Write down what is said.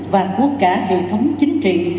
và của cả hệ thống chính trị